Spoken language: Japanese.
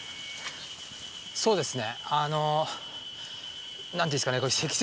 そうですね。